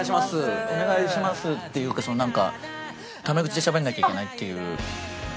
お願いしますっていうかなんかため口でしゃべらなきゃいけないっていうやつなんで。